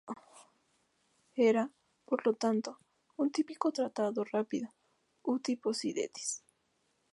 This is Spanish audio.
Era, por lo tanto, un típico tratado rápido "uti possidetis".